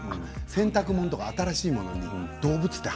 洗濯物とか新しいものに動物って。